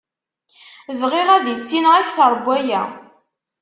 Bɣiɣ ad issineɣ akter n waya.